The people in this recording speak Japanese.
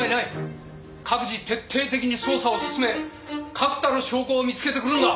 各自徹底的に捜査を進め確たる証拠を見つけてくるんだ。